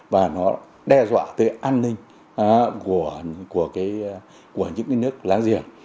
và nó đe dọa tới an ninh của những nước láng giềng